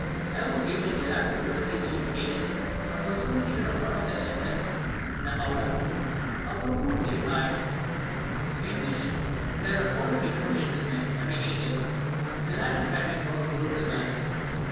I was greatly delighted to receive the invitation, and was soon seated on one of the elephants, in a howdah about two feet high, in which there were already two gentlemen and a native the latter had been brought to load the guns.